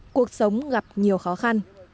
cuộc sống gặp nhiều khó khăn